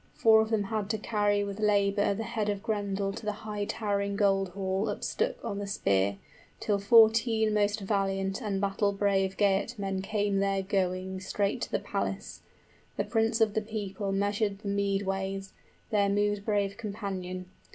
} Four of them had to carry with labor The head of Grendel to the high towering gold hall 80 Upstuck on the spear, till fourteen most valiant And battle brave Geatmen came there going Straight to the palace: the prince of the people Measured the mead ways, their mood brave companion.